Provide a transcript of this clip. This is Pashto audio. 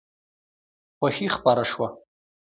خوښي خپره شوه.